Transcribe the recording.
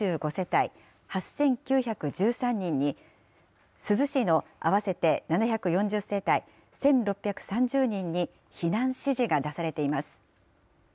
また七尾市の合わせて３７２５世帯８９１３人に、珠洲市の合わせて７４０世帯１６３０人に避難指示が出されています。